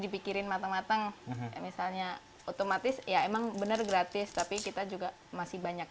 dipikirin matang matang misalnya otomatis ya emang bener gratis tapi kita juga masih banyak